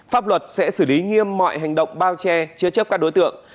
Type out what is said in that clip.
pháp luật sẽ xử lý nghiêm mọi hành động bao che chứa chấp các đối tượng